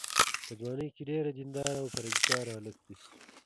په ځوانۍ کې ډېر دینداره او پرهېزګاره هلک دی.